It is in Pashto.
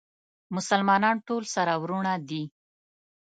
مسلمانان ټول سره وروڼه دي